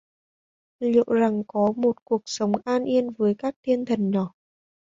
Liệu rằng có một cuộc sống an Yên với các thiên thần nhỏ